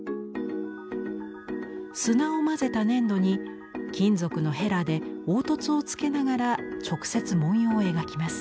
砂を混ぜた粘土に金属のヘラで凹凸をつけながら直接文様を描きます。